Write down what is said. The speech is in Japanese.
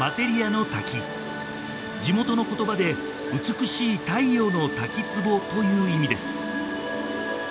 地元の言葉で「美しい太陽の滝つぼ」という意味です